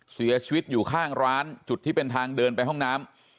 เสียชีวิตอยู่ข้างร้านจุดที่เป็นทางเดินไปห้องน้ำ